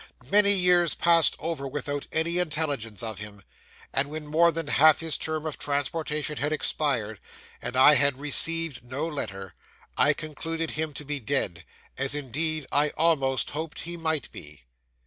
Many years passed over without any intelligence of him; and when more than half his term of transportation had expired, and I had received no letter, I concluded him to be dead, as, indeed, I almost hoped he might be.